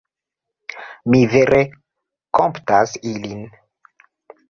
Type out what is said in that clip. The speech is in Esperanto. Mi vere kompatas ilin.